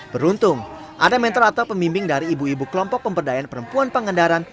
beruntung ada mentor atau pemimbing dari ibu ibu kelompok pemberdayaan perempuan pangandaran